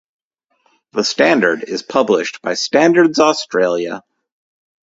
The standard is published by Standards Australia.